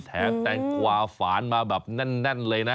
แตงกวาฝานมาแบบแน่นเลยนะ